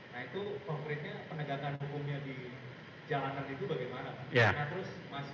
nah itu konkretnya penegakan hukumnya di jalanan itu bagaimana terus